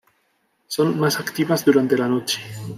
Son más activas durante la noche.